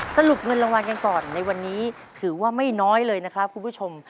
สรุปเงินรางวัลกันก่อนในวันนี้ถือว่าไม่น้อยเลยนะครับคุณผู้ชม